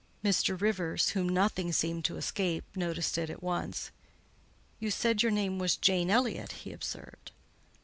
Mr. Rivers, whom nothing seemed to escape, noticed it at once. "You said your name was Jane Elliott?" he observed.